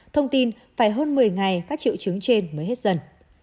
thông tin phải hơn một mươi ngày các triệu chứng trên mới hết dần